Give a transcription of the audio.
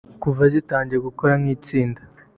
Kuva ritangiye gukora nk’itsinda